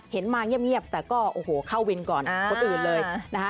เห็นมาเงียบแต่ก็เข้าวินก่อนคนอื่นเลย